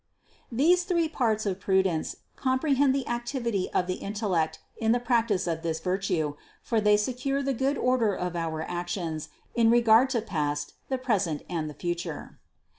541. These three parts of prudence comprehend the activity of the intellect in the practice of this virtue, for they secure the good order of our actions in regard to past, the present and the future.